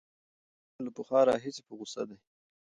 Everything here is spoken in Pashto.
رحیم له پخوا راهیسې په غوسه دی.